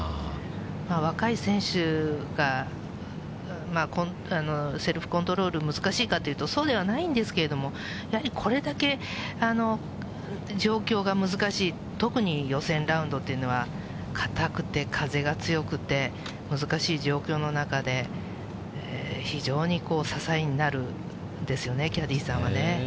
若い選手がセルフコントロール難しいかというと、そうではないんですけれども、やはりこれだけ状況が難しい、特に予選ラウンドというのは、硬くて風が強くて難しい状況の中で、非常に支えになるんですよね、キャディーさんはね。